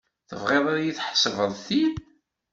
Tebɣid ad ḥesbeɣ ti?